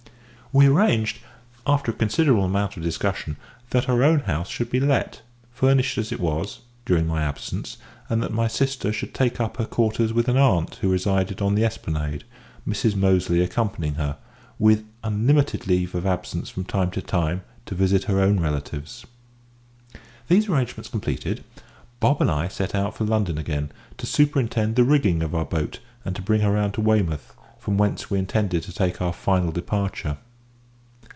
We arranged, after a considerable amount of discussion, that our own house should be let, furnished as it was, during my absence, and that my sister should take up her quarters with an aunt who resided on the Esplanade, Mrs Moseley accompanying her, with unlimited leave of absence from time to time to visit her own relatives. These arrangements completed, Bob and I set out for London again, to superintend the rigging of our boat and to bring her round to Weymouth, from whence we intended to take our final departure.